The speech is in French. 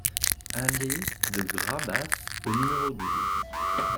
Allée de Grabasse au numéro douze